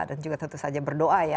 dan juga tentu saja berdoa ya